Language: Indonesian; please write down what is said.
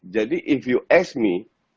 jadi if you ask me